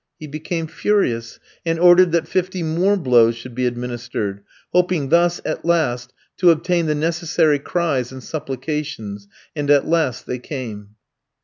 he became furious, and ordered that fifty more blows should be administered, hoping thus, at last, to obtain the necessary cries and supplications; and at last they came.